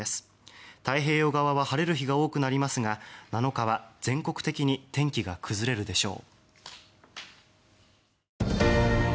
太平洋側は晴れる日が多くなりますが７日は全国的に天気が崩れるでしょう。